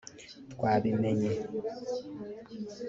Twabimenye